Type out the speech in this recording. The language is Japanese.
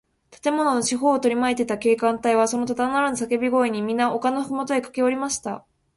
建物の四ほうをとりまいていた警官隊は、そのただならぬさけび声に、みな丘のふもとへかけおりました。